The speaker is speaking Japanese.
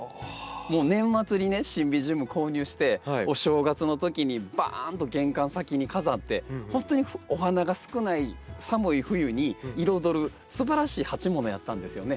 もう年末にねシンビジウム購入してお正月のときにバーンと玄関先に飾ってほんとにお花が少ない寒い冬に彩るすばらしい鉢ものやったんですよね。